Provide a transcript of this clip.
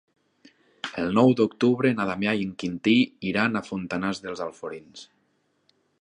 El nou d'octubre na Damià i en Quintí iran a Fontanars dels Alforins.